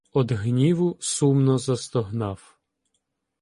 Од гніву сумно застогнав.